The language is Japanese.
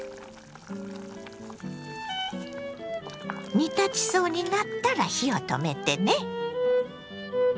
煮立ちそうになったら火を止めてね。